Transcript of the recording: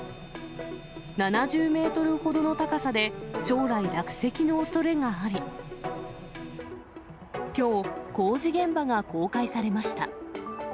７０メートルほどの高さで、将来、落石のおそれがあり、きょう、工事現場が公開されました。